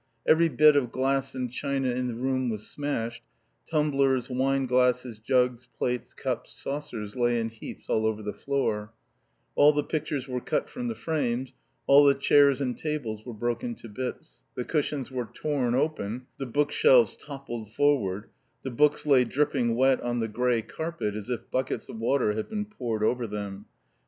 Every bit of glass and china in the room was smashed, tumblers, wine glasses, jugs, plates, cups, saucers lay in heaps all over the floor. All the pictures were cut from the frames, all the chairs and tables were broken to bits. The cushions were torn open, the bookshelves toppled forward, the books lay dripping wet on the grey carpet as if buckets of water had been poured over them.